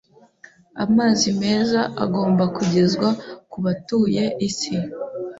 Amazi meza agomba kugezwa ku batuye isi.